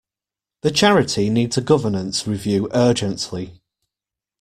The charity needs a governance review urgently